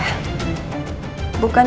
bukan cuma karena